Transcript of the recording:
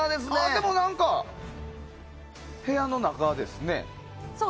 でも何か、部屋の中ですね。